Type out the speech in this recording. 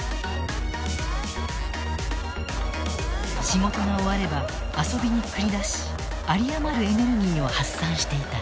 仕事が終われば遊びに繰り出し有り余るエネルギーを発散していた。